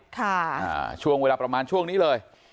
ค่ะอ่าช่วงเวลาประมาณช่วงนี้เลย